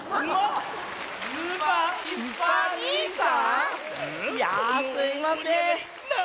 いやあすいません。